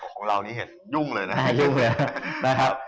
ของเรานี่เห็นยุ่งเลยนะ